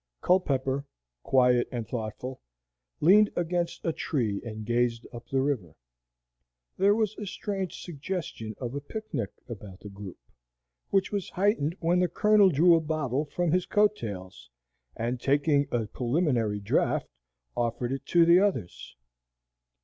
Culpepper, quiet and thoughtful, leaned against a tree and gazed up the river. There was a strange suggestion of a picnic about the group, which was heightened when the Colonel drew a bottle from his coat tails, and, taking a preliminary draught, offered it to the others.